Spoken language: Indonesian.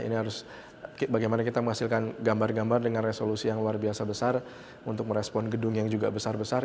ini harus bagaimana kita menghasilkan gambar gambar dengan resolusi yang luar biasa besar untuk merespon gedung yang juga besar besar